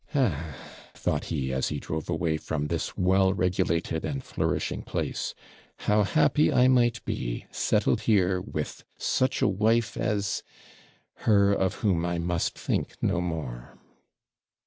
'Ah!' thought he, as he drove away from this well regulated and flourishing place, 'how happy I might be, settled here with such a wife as her of whom I must think no more.'